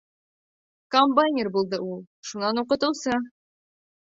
Комбайнер булды ул. Шунан уҡытыусы.